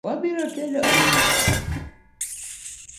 Wa biro tedo ang'o?